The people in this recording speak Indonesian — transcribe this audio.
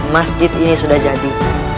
masjid ini sudah jadi